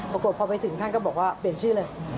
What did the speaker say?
ปรากฏพอไปถึงท่านก็บอกว่าเปลี่ยนชื่อเลย